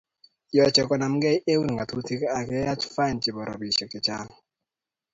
Yochei konamkei eun ngatutik ak keyach fain chebo robishiek chechang